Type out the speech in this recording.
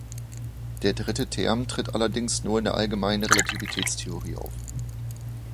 Der dritte Term tritt allerdings nur in der Allgemeinen Relativitätstheorie auf.